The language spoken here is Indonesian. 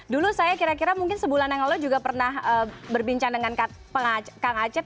dulu saya kira mungkin sebulan yang lalu juga pernah berbincang dengan kang acep